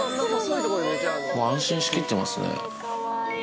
もう安心しきってますね。